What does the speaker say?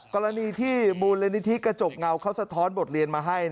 กรณีที่มูลนิธิกระจกเงาเขาสะท้อนบทเรียนมาให้